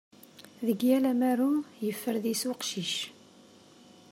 Deg yal amaru, yeffer deg-s uqcic.